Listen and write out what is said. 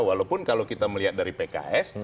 walaupun kalau kita melihat dari pks